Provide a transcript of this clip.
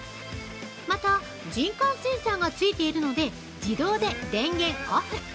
また人感センサーがついているので自動で電源オフ！